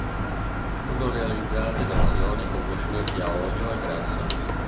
Furono realizzate versioni con cuscinetti a olio e grasso.